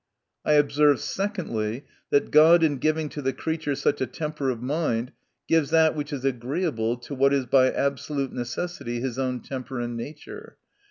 I observe, secondly, that God in giving to the creature such a temper of mind, gives that which is agreeable to what is by absolute necessity his own temper and nature.